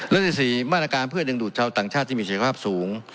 และที่สี่มาตรการเพื่อดึงดูดเชาะต่างชาติที่มีเศรษฐภาพสูง